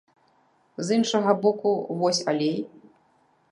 З іншага боку, вось алей.